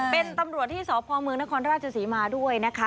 เป็นตำรวจที่สพเมืองนครราชศรีมาด้วยนะคะ